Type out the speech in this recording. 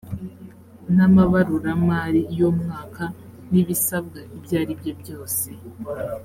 n’amabaruramari y’umwaka n’ibisabwa ibyo aribyo byose